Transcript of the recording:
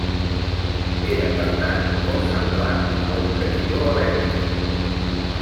Era, per tant, molt semblant a un carilló elèctric.